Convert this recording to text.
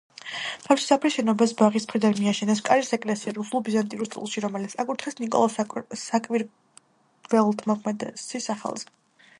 თავშესაფრის შენობას ბაღის მხრიდან მიაშენეს კარის ეკლესია რუსულ-ბიზანტიურ სტილში, რომელიც აკურთხეს ნიკოლოზ საკვირველთმოქმედის სახელზე.